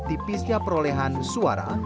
tipisnya perolehan suara